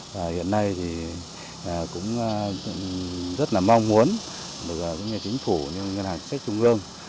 hiện nay cũng rất mong muốn được chính phủ ngân hàng chính sách trung ương